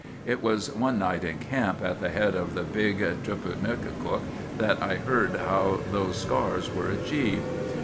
"It was one night in camp at the head of the Big Chiputneticook that I heard how those scars were achieved.